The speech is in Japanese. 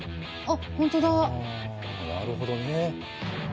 あなるほどね。